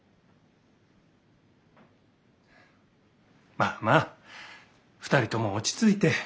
まあまあ２人とも落ち着いて。